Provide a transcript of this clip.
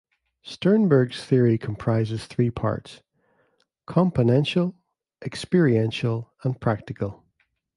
Sternberg's theory comprises three parts: componential, experiential, and practical.